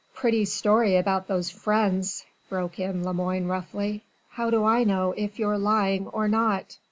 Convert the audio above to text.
"Pretty story about those friends," broke in Lemoine roughly. "How do I know if you're lying or not?"